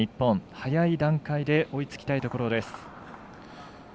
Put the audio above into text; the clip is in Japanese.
早い段階で追いつきたいところです。